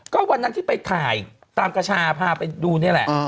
ก็วันนั้นที่ไปถ่ายตามกระชาพาไปดูนี่แหละ